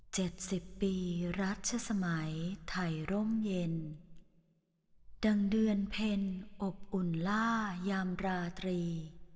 สิบปีรัชสมัยไทยร่มเย็นดังเดือนเพ็ญอบอุ่นล่ายามราตรี